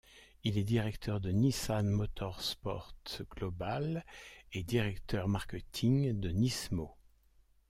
Il est directeur de Nissan Motorsport Global et directeur marketing de Nismo.